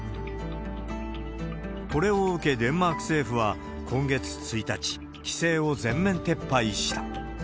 これを受け、デンマーク政府は今月１日、規制を全面撤廃した。